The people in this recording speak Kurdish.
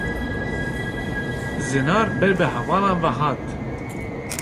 Zinar ber bi hevalan ve hat.